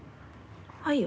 はいよ。